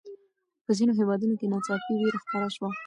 په ځینو هېوادونو کې ناڅاپي ویره خپره شوه.